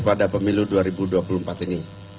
pada pemilu dua ribu dua puluh empat ini